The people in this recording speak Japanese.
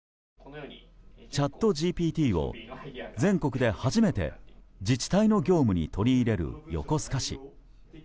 チャットＧＰＴを全国で初めて自治体の業務に取り入れる横須賀市。